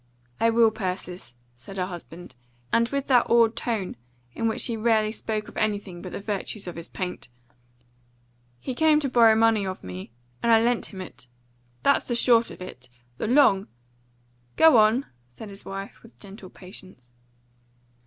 "I will, Persis," said her husband, and with that awed tone in which he rarely spoke of anything but the virtues of his paint. "He came to borrow money of me, and I lent him it. That's the short of it. The long " "Go on," said his wife, with gentle patience.